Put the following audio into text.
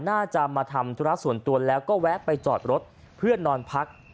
น่าจะมาทำธุระส่วนตัวแล้วก็แวะไปจอดรถเพื่อนอนพัก